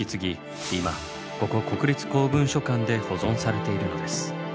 今ここ国立公文書館で保存されているのです。